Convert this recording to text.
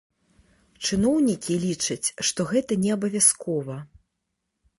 Чыноўнікі лічаць, што гэта неабавязкова.